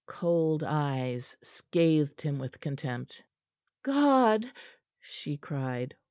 Cold eyes scathed him with contempt. "God!" she cried.